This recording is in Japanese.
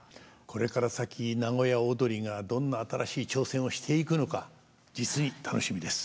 これから先名古屋をどりがどんな新しい挑戦をしていくのか実に楽しみです！